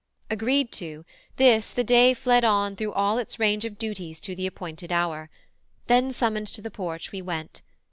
Agreed to, this, the day fled on through all Its range of duties to the appointed hour. Then summoned to the porch we went.